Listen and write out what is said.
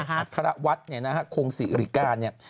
อาทาราวัดเนี่ยนะฮะโครงศิริกาเนี่ย